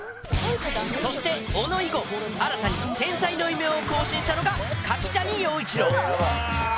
そして小野以後新たに天才の異名を更新したのが柿谷曜一朗。